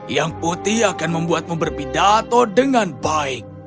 yang putih akan membuatmu berpidato dengan baik